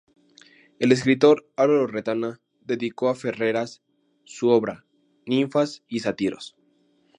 El escritor Álvaro Retana dedicó a Ferreras su obra "Ninfas y sátiros.